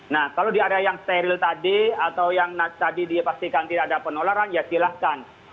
nah kalau di area yang steril tadi atau yang tadi dipastikan tidak ada penularan ya silahkan